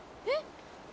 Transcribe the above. えっ？